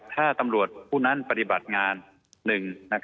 ถ้าทำรวจคู่นั้นปฏิบัติงาน